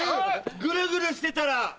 グルグルしてたら。